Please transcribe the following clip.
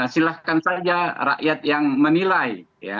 silahkan saja rakyat yang menilai